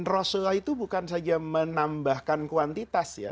rasulullah itu bukan saja menambahkan kuantitas ya